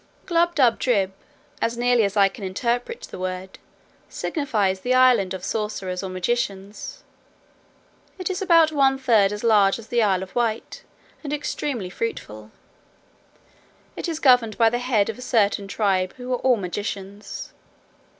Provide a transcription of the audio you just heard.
Glubbdubdrib, as nearly as I can interpret the word, signifies the island of sorcerers or magicians. It is about one third as large as the Isle of Wight, and extremely fruitful: it is governed by the head of a certain tribe, who are all magicians.